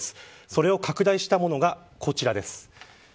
それを拡大したものがこちらです。